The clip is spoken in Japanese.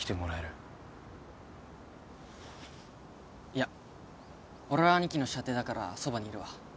いや俺はアニキの舎弟だからそばにいるわ。